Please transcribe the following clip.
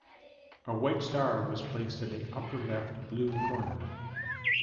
A white star was placed in the upper left blue corner.